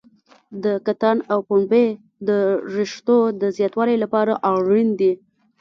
د کتان او پنبې د رشتو د زیاتوالي لپاره اړین دي.